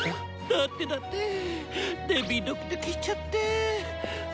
だってだってデビドキドキしちゃって。